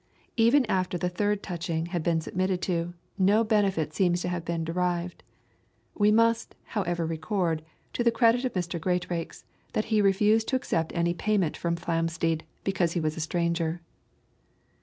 Even after the third touching had been submitted to, no benefit seems to have been derived. We must, however record, to the credit of Mr. Greatrackes, that he refused to accept any payment from Flamsteed, because he was a stranger.